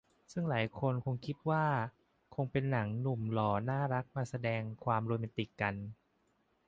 ซึ่งหลายคนคงคิดว่าคงเป็นหนังหนุ่มหล่อน่ารักมาแสดงความโรแมนติกกัน